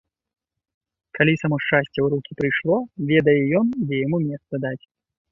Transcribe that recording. Калі само шчасце ў рукі прыйшло, ведае ён, дзе яму месца даць.